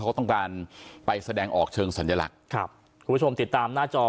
เขาต้องการไปแสดงออกเชิงสัญลักษณ์ครับคุณผู้ชมติดตามหน้าจอ